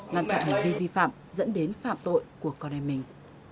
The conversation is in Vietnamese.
ngăn chặn hành vi vi phạm dẫn đến phạm tội của con em mình